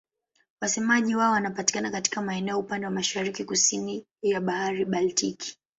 Wasemaji wao wanapatikana katika maeneo upande wa mashariki-kusini ya Bahari Baltiki.